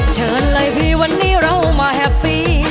เชิญเลยพี่วันนี้เรามาแฮปปี้